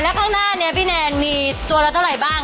แล้วข้างหน้านี้พี่แนนมีตัวละเท่าไหร่บ้าง